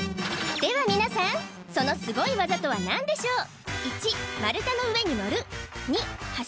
では皆さんそのすごい技とは何でしょう？